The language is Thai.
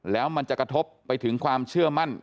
แล้วมันจะกระทบไปถึงความเชื่อมั่น